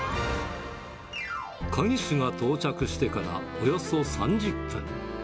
鍵師が到着してからおよそ３０分。